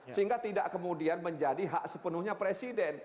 sehingga tidak kemudian menjadi hak sepenuhnya presiden